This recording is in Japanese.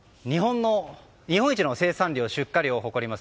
日本一の生産量・出荷量を誇ります